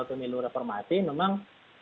pemilu reformasi memang